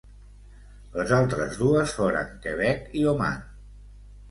Les altres dues foren Quebec i Oman.